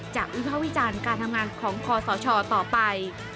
วิภาควิจารณ์การทำงานของคอสชต่อไป